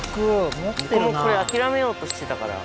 僕もこれ諦めようとしてたから。